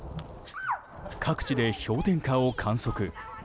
各地で氷点下を観測。